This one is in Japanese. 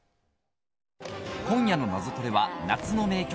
今夜の「ナゾトレ」は夏の名曲